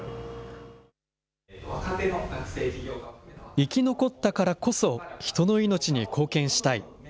生き残ったからこそ、人の命に貢献したい。